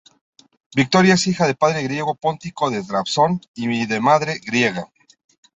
Victoria es hija de padre griego póntico de Trabzon y de madre griega.